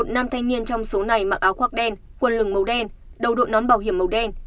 một nam thanh niên trong số này mặc áo khoác đen quân lừng màu đen đầu đội nón bảo hiểm màu đen